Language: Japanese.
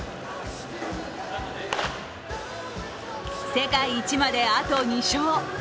世界一まで、あと２勝。